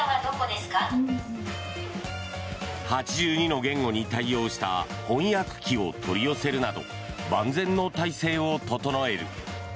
８２の言語に対応した翻訳機を取り寄せるなど万全の態勢を整える。